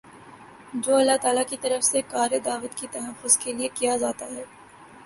جو اللہ تعالیٰ کی طرف سے کارِ دعوت کے تحفظ کے لیے کیا جاتا ہے